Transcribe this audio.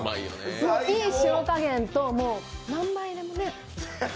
いい塩加減と、何杯でもね。